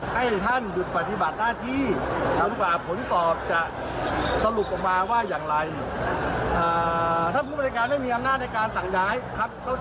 กรณีที่เกิดปัญหาที่ผ่านมานะครับ